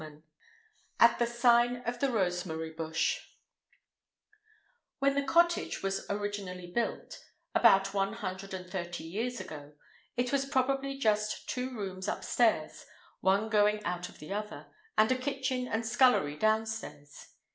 III At the Sign of the Rosemary Bush WHEN the cottage was originally built—about one hundred and thirty years ago—it was probably just two rooms upstairs, one going out of the other, and a kitchen and scullery downstairs.